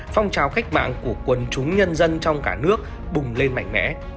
một nghìn chín trăm ba mươi một phong trào cách mạng của quần chúng nhân dân trong cả nước bùng lên mạnh mẽ